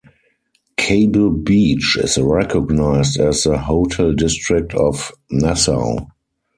Cable Beach is recognised as the hotel district of Nassau.